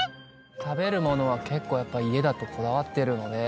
食べる物は結構やっぱ家だとこだわってるので。